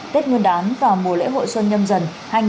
tết nguyên đáng và mùa lễ hội xuân nhâm dần hai nghìn hai mươi hai